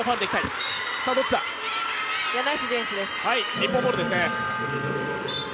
日本ボールですね。